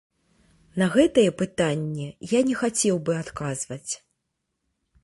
На гэтае пытанне я не хацеў бы адказваць.